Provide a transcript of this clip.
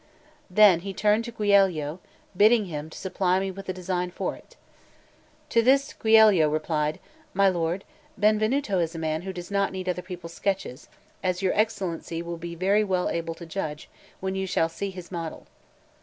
Then he turned to Giulio, bidding him supply me with a design for it. To this Giulio replied: "My lord, Benvenuto is a man who does not need other people's sketches, as your Excellency will be very well able to judge when you shall see his model."